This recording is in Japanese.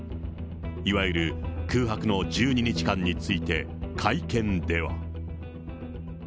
いわゆる空白の１２日間について、会見では。